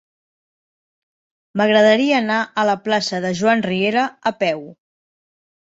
M'agradaria anar a la plaça de Joan Riera a peu.